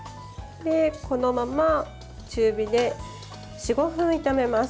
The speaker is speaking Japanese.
このまま中火で４５分炒めます。